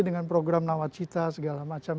dengan program lawat cita segala macam